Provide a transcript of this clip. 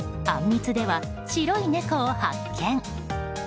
あんみつでは白い猫を発見。